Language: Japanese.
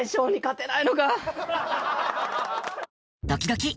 ドキドキ。